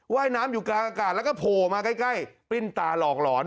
ว่ายน้ำอยู่กลางอากาศแล้วก็โผล่มาใกล้ปริ้นตาหลอกหลอน